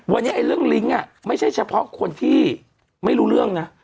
วันนี้เรื่องลิงก์ไม่ใช่เฉพาะคนที่ไม่รู้เรื่องนะ